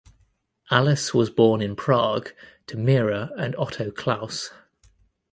Alice was born in Prague to Mira and Otto Klaus.